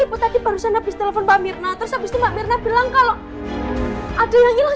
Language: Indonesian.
gigi gak tau ibu tadi barusan habis telepon mbak mirna terus abis itu mbak mirna bilang kalau ada yang hilang